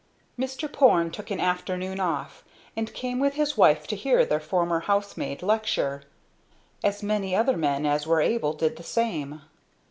Mr. Porne took an afternoon off and came with his wife to hear their former housemaid lecture. As many other men as were able did the same.